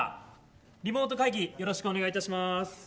リモート会議よろしくお願いいたします。